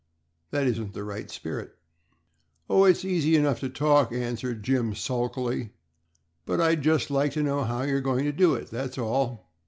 That isn't the right spirit." "Oh, it's easy enough to talk," answered Jim, sulkily, "but I'd just like to know how you are going to do it, that's all."